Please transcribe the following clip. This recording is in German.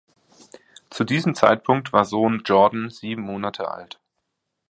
Zu diesem Zeitpunkt war Sohn Jordan sieben Monate alt.